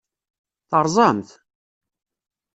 Terẓam-t?